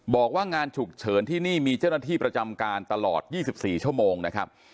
บอกว่างานฉุกเฉินที่นี่มีเจ้าหน้าที่ประจำการตลอด๒๔ชั่วโมงนะครับ